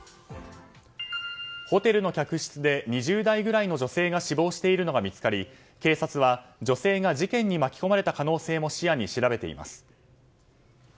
ホテルの客室で２０代ぐらいの女性が死亡しているのが見つかり警察は、女性が事件に巻き込まれた可能性も視野に調べています。